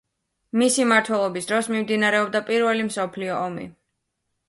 მისი მმართველობის დროს მიმდინარეობდა პირველი მსოფლიო ომი.